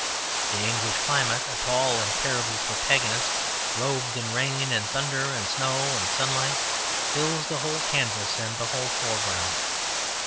The English climate, a tall and terrible protagonist, robed in rain and thunder and snow and sunlight, fills the whole canvas and the whole foreground.